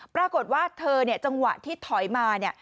ปรากฏว่าเธอจังหวะที่ถอยมา